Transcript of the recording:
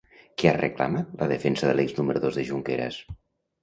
Què ha reclamat la defensa de l'ex-número dos de Junqueras?